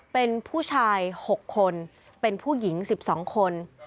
เป็นผู้ชาย๖คนเป็นผู้หญิง๑๒คน